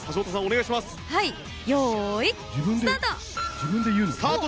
よーい、スタート！